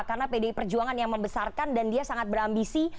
karena pdi perjuangan yang membesarkan dan dia sangat berambisi